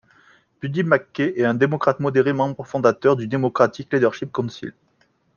Buddy MacKay est un démocrate modéré, membre fondateur du Democratic Leadership Council.